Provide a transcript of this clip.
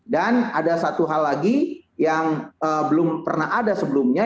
dan ada satu hal lagi yang belum pernah ada sebelumnya